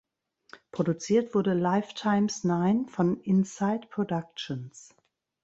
Produziert wurde "Life Times Nine" von Insight Productions.